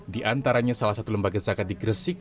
diantaranya salah satu lembaga zakat di gersik